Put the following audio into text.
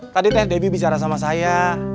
tadi teh debbie bicara sama saya